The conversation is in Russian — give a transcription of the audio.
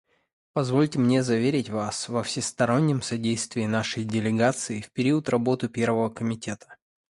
Позвольте мне заверить Вас во всестороннем содействии нашей делегации в период работы Первого комитета.